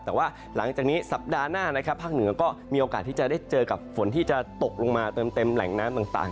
แต่ว่าหลังจากนี้สัปดาห์หน้านะครับภาคเหนือก็มีโอกาสที่จะได้เจอกับฝนที่จะตกลงมาเติมเต็มแหล่งน้ำต่าง